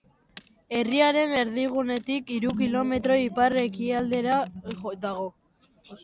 Herriaren erdigunetik hiru kilometro ipar-ekialdera dago.